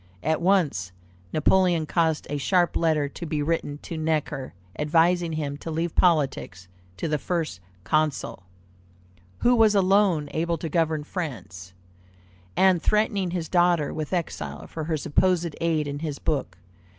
At once Napoleon caused a sharp letter to be written to Necker advising him to leave politics to the First Consul, "who was alone able to govern France," and threatening his daughter with exile for her supposed aid in his book.